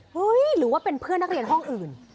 หรือว่าเป็นเพื่อนนักเรียนห้องอื่น